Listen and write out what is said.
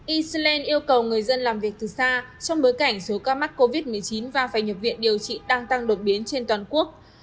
eceland yêu cầu người dân làm việc từ xa trong bối cảnh số ca mắc covid một mươi chín và phải nhập viện điều trị đang tăng đột biến trên toàn quốc